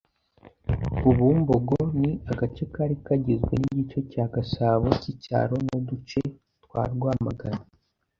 Ubumbogo Ni agace kari kagizwe n’igice cya Gasabo cy’icyaro n’uduce twa Rwamagana